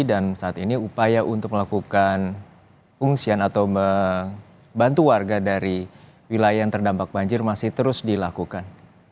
dan saat ini upaya untuk melakukan fungsian atau membantu warga dari wilayah yang terdampak banjir masih terus dilakukan